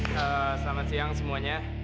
selamat siang semuanya